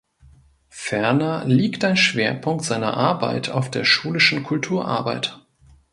Ferner liegt ein Schwerpunkt seiner Arbeit auf der schulischen Kulturarbeit.